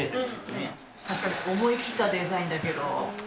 確かに思い切ったデザインだ